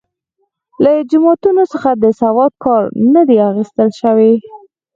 له جوماتونو څخه د سواد کار نه دی اخیستل شوی.